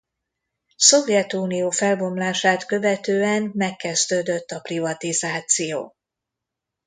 Szovjetunió felbomlását követően megkezdődött a privatizáció.